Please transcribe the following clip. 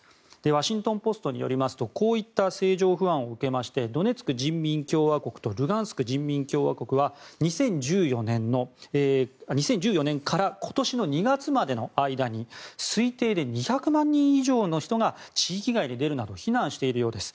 ワシントン・ポストによりますとこういった政情不安を受けましてドネツク人民共和国とルガンスク人民共和国は２０１４年から今年の２月までの間に推定で２００万人以上の人が地域外に出るなど避難しているようです。